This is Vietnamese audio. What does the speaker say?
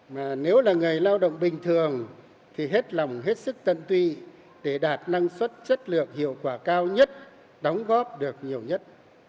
mà nếu là người lao động bình thường thì hết lòng hết sức tận tụy để đạt năng suất chất lượng hiệu quả cao nhất đóng góp được nhiều nhất